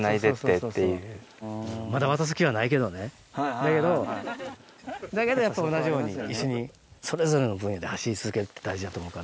だけどだけどやっぱ同じように一緒にそれぞれの分野で走り続けるって大事やと思うから。